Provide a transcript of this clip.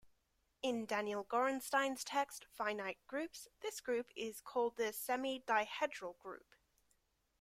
In Daniel Gorenstein's text, "Finite Groups", this group is called the semidihedral group.